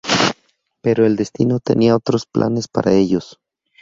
Pero el destino tenía otros planes para ellos.